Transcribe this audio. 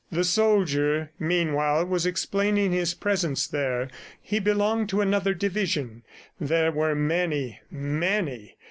. The soldier, meanwhile, was explaining his presence there. He belonged to another division. There were many ... many!